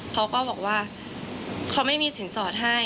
เขาก็บอกว่าเขาไม่มีสินสอดให้